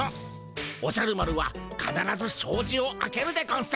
おじゃる丸はかならずしょうじを開けるでゴンス。